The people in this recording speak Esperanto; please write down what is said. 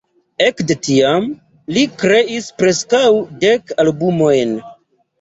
Ekde tiam li kreis preskaŭ dek albumojn.